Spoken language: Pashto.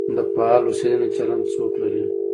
د فعال اوسېدنې چلند څوک لري؟